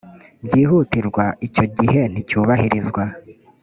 byihutirwa icyo gihe nticyubahirizwa